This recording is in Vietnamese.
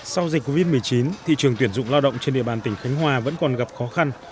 sau dịch covid một mươi chín thị trường tuyển dụng lao động trên địa bàn tỉnh khánh hòa vẫn còn gặp khó khăn